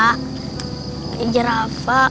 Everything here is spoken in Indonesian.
kamu tuh gak sengaja